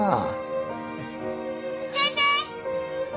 先生。